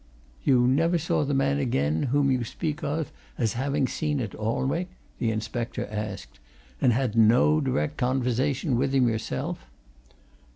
"You never saw the man again whom you speak of as having seen at Alnwick?" the inspector asked. "And had no direct conversation with him yourself?"